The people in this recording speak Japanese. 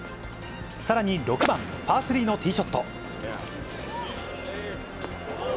さらに６番パー３のティーショット。